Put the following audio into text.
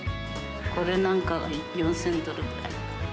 これなんか４０００ドル。